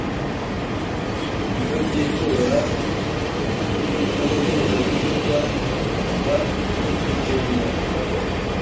ibiro by itora n abahuzabikorwa b ibyumba